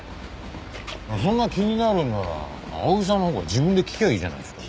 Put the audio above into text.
そんなに気になるんなら青柳さんのほうから自分で聞きゃあいいじゃないですか。